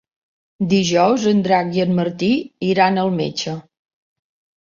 Dijous en Drac i en Martí iran al metge.